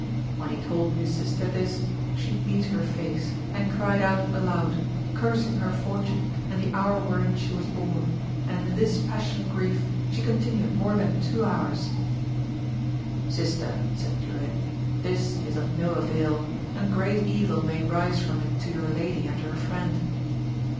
When he told his sister this, she beat her face, and cried out aloud, cursing her fortune and the hour 186 AMADIS OF OAUL wherein she was bom, and in this passionate grief she continued more than two hours. Sister, said Durin, this is of no avail, and great evil may rise from it to your lady and her friend.